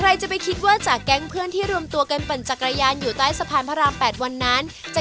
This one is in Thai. ระหว่างเดินทางท่องเทือนในนี้